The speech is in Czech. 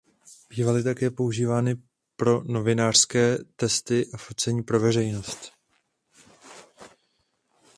Bývaly také používány pro novinářské testy a focení pro veřejnost.